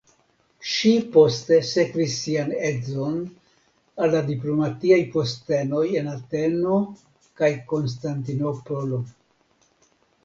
Ŝi poste sekvis sian edzon al la diplomatiaj postenoj en Ateno kaj Konstantinopolo.